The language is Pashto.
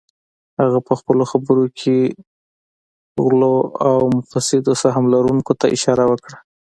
هغه پهخپلو خبرو کې غلو او مفسدو سهم لرونکو ته اشاره وکړه